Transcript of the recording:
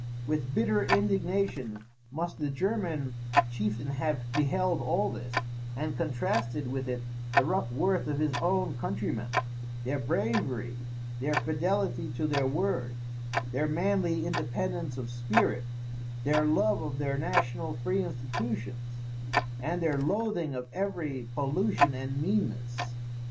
With bitter indignation must the German chieftain have beheld all this, and contrasted with it the rough worth of his own countrymen; their bravery, their fidelity to their word, their manly independence of spirit their love of their national free institutions, and their loathing of every pollution and meanness.